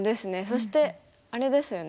そしてあれですよね